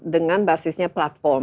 dengan basisnya platform